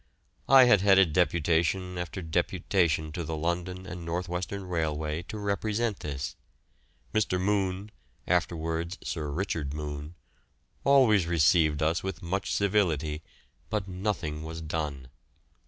I had headed deputation after deputation to the London and North Western Railway to represent this; Mr. Moon (afterwards Sir Richard Moon) always received us with much civility, but nothing was done.